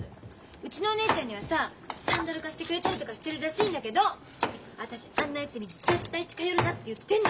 うちのお姉ちゃんにはさサンダル貸してくれたりとかしてるらしいんだけど私あんなやつに絶対近寄るなって言ってんの。